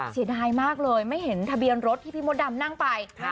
เสียดายมากเลยไม่เห็นทะเบียนรถที่พี่มดดำนั่งไป